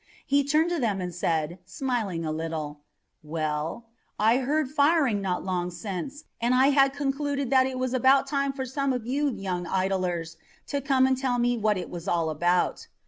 He turned to them and said, smiling a little: 'Well, I heard firing not long since, and I had concluded that it was about time for some of you young idlers to come and tell me what it was all about.